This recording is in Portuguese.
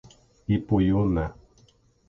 Ipuiuna